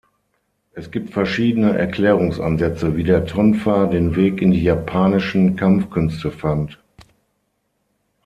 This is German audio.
Es gibt verschiedene Erklärungsansätze, wie der Tonfa den Weg in die japanischen Kampfkünste fand.